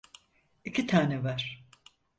İki tane var.